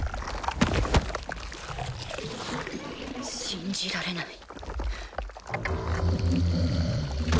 信じられない。